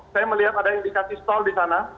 saya melihat ada indikasi stall di sana